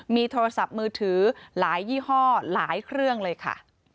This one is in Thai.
มีโทรศัพท์มือถือหลายยี่ห้อหลายเครื่องเลยค่ะ